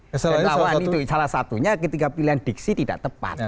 melawan itu salah satunya ketika pilihan diksi tidak tepat